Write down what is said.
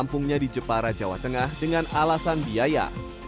kampungnya di jepara jawa tengah dengan alasan biaya